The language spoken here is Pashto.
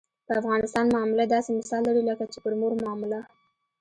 په افغانستان معامله داسې مثال لري لکه چې پر مور معامله.